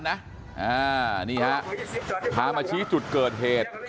ทางมีตามาชี้จุดเกิดเหตุ